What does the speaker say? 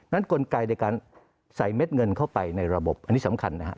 กลไกในการใส่เม็ดเงินเข้าไปในระบบอันนี้สำคัญนะครับ